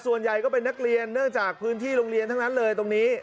ส่วนใหญ่ก็เป็นนักเรียนเนื่องจากพื้นที่โรงเรียนทั้งนั้นเลยตรงนี้